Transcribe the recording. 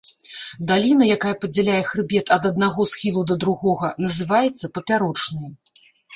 Даліна, якая падзяляе хрыбет ад аднаго схілу да другога, называецца папярочнай.